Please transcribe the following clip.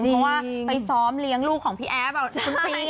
เพราะว่าไปซ้อมเลี้ยงลูกของพี่แอฟ